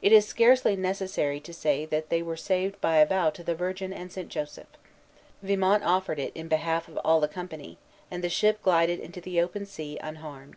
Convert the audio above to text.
It is scarcely necessary to say that they were saved by a vow to the Virgin and St. Joseph. Vimont offered it in behalf of all the company, and the ship glided into the open sea unharmed.